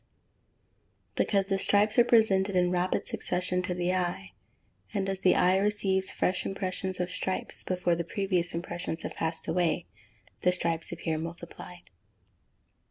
_ Because the stripes are presented in rapid succession to the eye; and as the eye receives fresh impressions of stripes before the previous impressions have passed away, the stripes appear multiplied.